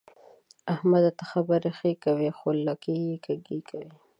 احمده! ته خبرې ښې کوې خو لکۍ يې کږې کوي.